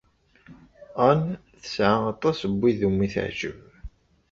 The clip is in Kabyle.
Anne tesɛa aṭas n wid umi teɛjeb.